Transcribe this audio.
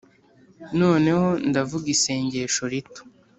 noneho, ndavuga isengesho rito